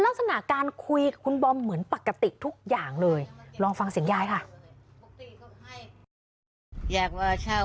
ไม่อยากให้แม่เป็นอะไรไปแล้วนอนร้องไห้แท่ทุกคืน